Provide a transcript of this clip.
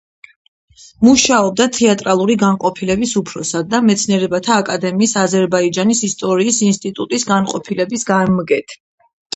მუშაობდა თეატრალური განყოფილების უფროსად და მეცნიერებათა აკადემიის აზერბაიჯანის ისტორიის ინსტიტუტის განყოფილების გამგედ.